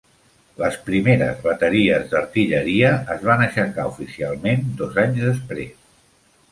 Les primeres bateries d'Artilleria es van aixecar oficialment dos anys després.